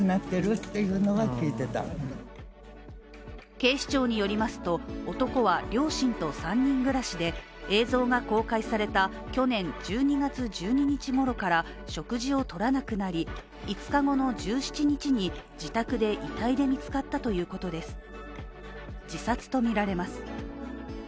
警視庁によりますと男は両親と３人暮らしで、映像が公開された去年１２月１２日ごろから食事をとらなくなり５日後の１７日に自宅で遺体で見つかったということです、自殺とみられます。